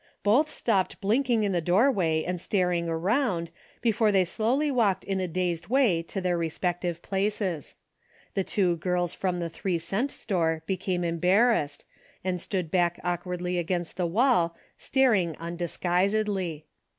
Both stopped blinking in the doorway and staring around, before they slowly walked in a dazed way to their respective places. The two girls from the three cent store became embarrassed, and stood back awkwardly against the wall star ing undisguisedly.